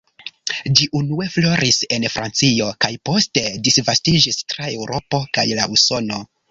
Ĝi unue floris en Francio kaj poste disvastiĝis tra Eŭropo kaj al Usono.